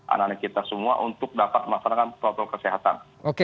anak anak kita semua untuk dapat melaksanakan protokol kesehatan